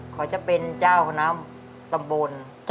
เขาจะเป็นเจ้าคณะตำบล